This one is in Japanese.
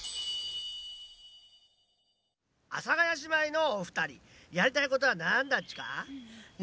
阿佐ヶ谷姉妹のおふたりやりたいことはなんだっちか？